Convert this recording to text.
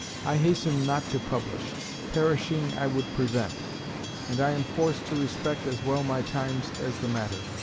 I hasten not to publish; perishing I would prevent. And I am forced to respect as well my times as the matter.